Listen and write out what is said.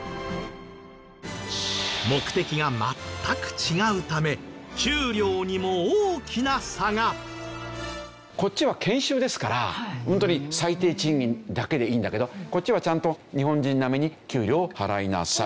目的が全く違うためこっちは研修ですからホントに最低賃金だけでいいんだけどこっちはちゃんと日本人並みに給料を払いなさい。